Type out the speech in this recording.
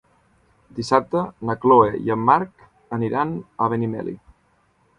Dissabte na Chloé i en Marc aniran a Benimeli.